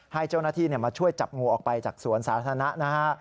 ให้เจ้าหน้าที่มาช่วยจับงูออกไปจากสวนสาธารณะนะฮะ